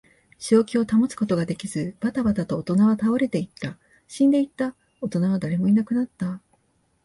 正気を保つことができず、ばたばたと大人は倒れていった。死んでいった。大人は誰もいなくなった。